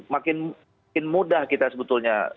makin mudah kita sebetulnya